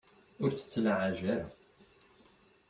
Ur tt-ttlaɛaj ara.